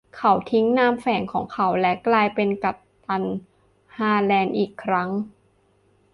เขาทิ้งนามแฝงของเขาและกลายเป็นกัปตันฮาร์แลนด์อีกครั้ง